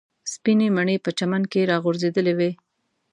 سپینې مڼې په چمن کې راغورځېدلې وې.